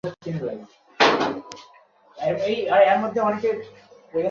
ছোট ভাই, এখন উপরওয়ালাও তোমাকে সাহায্য করতে পারবে না।